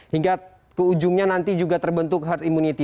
hingga ke ujungnya nanti juga terbentuk herd immunity